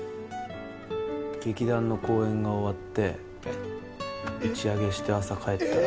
劇団の公演が終わって打ち上げして朝帰ったら。